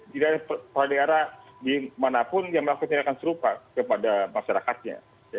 tidak ada sebuah daerah di manapun yang melakukan penerimaan serupa kepada masyarakatnya